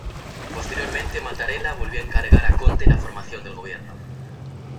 Posteriormente Mattarella volvió a encargar a Conte la formación del gobierno.